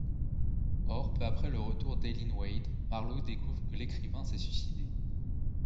Or, peu après le retour d'Eileen Wade, Marlowe découvre que l'écrivain s'est suicidé.